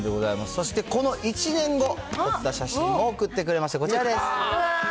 そしてこの１年後、撮った写真を送ってくれました、こちらです。